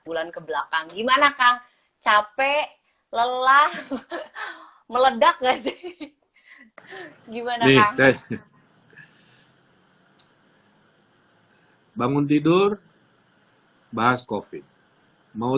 bulan kebelakang gimana kak capek lelah meledak ngasih gimana bangun tidur hai bahas kofi mau